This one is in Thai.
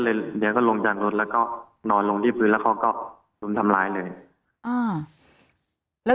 เดี๋ยวก็ลงจากรถแล้วก็นอนลงที่พื้นแล้วเขาก็รุมทำร้ายเลยอ่า